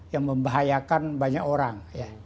yang membahayakan banyak orang